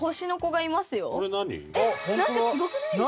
なんかすごくないですか？